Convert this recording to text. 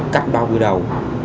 cắt bao quy đầu